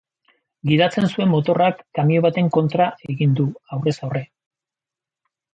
Gidatzen zuen motorrak kamioi baten kontra egin du, aurrez aurre.